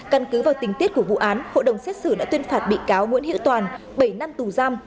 căn cứ vào tình tiết của vụ án hội đồng xét xử đã tuyên phạt bị cáo nguyễn hiễu toàn bảy năm tù giam